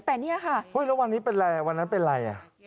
แล้ววันนี้เป็นอะไรวันนั้นเป็นอะไรอ่ะ